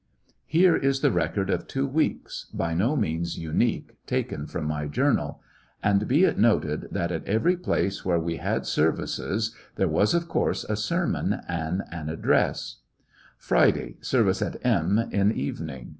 Here is the record of two weeks, by no what was means unique, taken from my journal 5 and be ^^^^^ ^f^^ it noted that at every place where we had 75 ^coUections of a services there was^ of conrse^ a sermon and an address: Friday. Service at M in evening.